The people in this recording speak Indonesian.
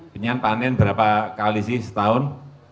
dengan panen berapa kali sih setahun